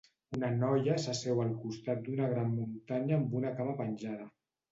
Una noia s'asseu al costat d'una gran muntanya amb una cama penjada.